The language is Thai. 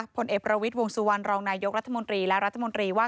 ผลเอกบรวมสู่วันรองนายกรรธมนตรีและรัฐมนตรีว่า